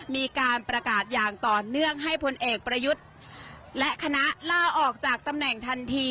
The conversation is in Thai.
มีการประกาศอย่างต่อเนื่องให้พลเอกประยุทธ์และคณะล่าออกจากตำแหน่งทันที